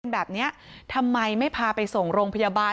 แบบนี้ทำไมไม่พาไปส่งโรงพยาบาล